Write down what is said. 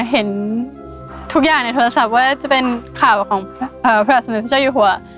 เห็นทุกอย่างในโทรศัพท์ว่าจะเป็นข่าวของพระสมุทรเจ้ายูโฮะ